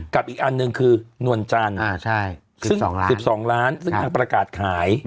อีกอันหนึ่งคือนวลจันทร์ซึ่ง๑๒ล้านซึ่งทางประกาศขาย